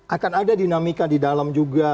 akan ada dinamika di dalam juga